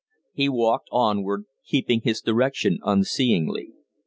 He walked onward, keeping his direction unseeingly.